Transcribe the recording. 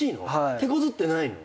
手こずってないの？